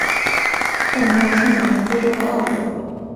但没有生长在非洲和澳洲的。